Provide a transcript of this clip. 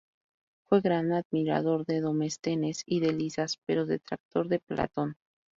Fue gran admirador de Demóstenes y de Lisias, pero detractor de Platón.